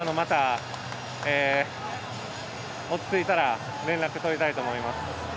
これから、また落ち着いたら連絡取りたいと思います。